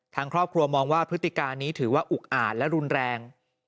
ทางครอบครัวมองว่าพฤติการนี้ถือว่าอุกอ่านและรุนแรง